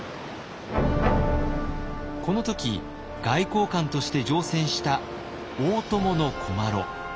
この時外交官として乗船した大伴古麻呂。